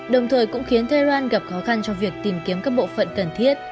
đồng thời cũng khiến tehran gặp khó khăn cho việc tìm kiếm các bộ phận cần thiết